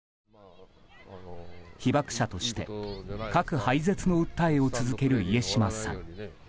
被爆者として核廃絶の訴えを続ける家島さん。